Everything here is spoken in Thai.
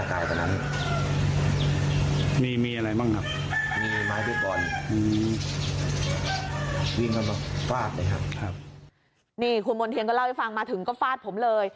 นี่คุณมณ์เทียนก็เล่าให้ฟังมาถึงก็ฟาดผมเลย